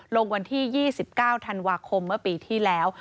ลงวันที่๒๙ธันวาคมเมื่อปีที่แล้ว